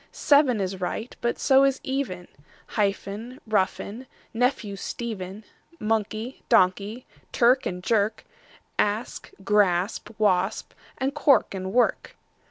Seven is right, but so is even; Hyphen, roughen, nephew, Stephen; Monkey, donkey; clerk and jerk; Asp, grasp, wasp; and cork and work.